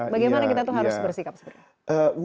bagaimana kita itu harus bersikap segera